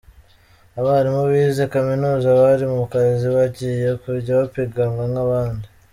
Abarimu bize kaminuza bari mu kazi, bagiye kujya bapiganwa nk’abandi.